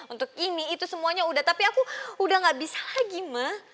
untuk ini itu semuanya udah tapi aku udah gak bisa lagi ma